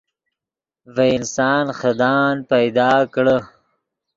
ڤے انسان خدان پیدا کڑے